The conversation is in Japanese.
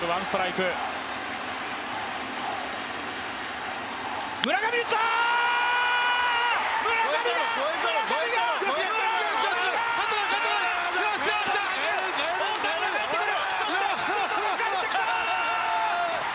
周東が帰ってくる。